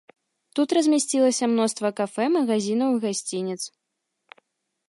Тут размясцілася мноства кафэ, магазінаў і гасцініц.